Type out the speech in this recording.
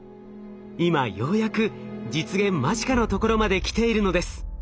今ようやく実現間近のところまできているのです。